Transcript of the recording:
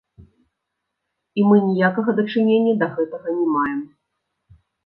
І мы ніякага дачынення да гэтага не маем.